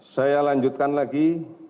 saya lanjutkan lagi